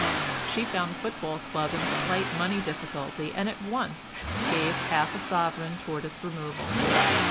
She found the football club in a slight money difficulty and at once gave half a sovereign towards its removal.